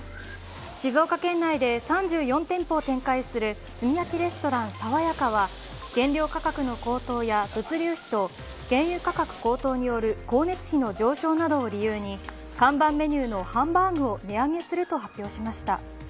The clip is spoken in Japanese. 静岡県内で３４店舗を展開する炭焼きレストランさわやかは原料価格の高騰や物流費と原油価格高騰による光熱費の上昇などを理由に看板メニューのハンバーグを値上げすると発表しました。